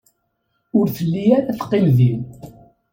Ur telli ara teqqim din.